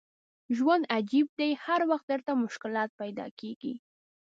ژوند عجیب دی هر وخت درته مشکلات پیدا کېږي.